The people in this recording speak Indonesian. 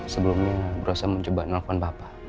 sebelumnya berusaha mencoba nelfon bapak